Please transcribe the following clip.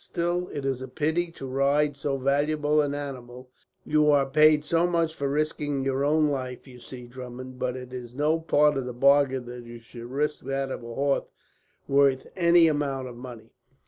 Still, it is a pity to ride so valuable an animal. You are paid so much for risking your own life, you see, Drummond; but it is no part of the bargain that you should risk that of a horse worth any amount of money."